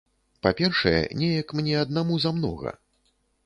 Па-першае, неяк мне аднаму замнога.